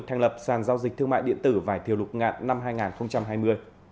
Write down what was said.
thành lập sàn giao dịch thương mại điện tử vải thiều lục ngạn năm hai nghìn hai mươi